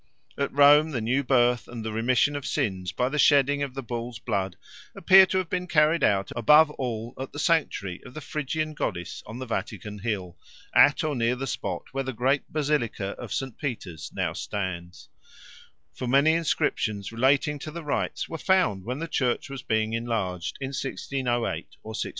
At Rome the new birth and the remission of sins by the shedding of bull's blood appear to have been carried out above all at the sanctuary of the Phrygian goddess on the Vatican Hill, at or near the spot where the great basilica of St. Peter's now stands; for many inscriptions relating to the rites were found when the church was being enlarged in 1608 or 1609.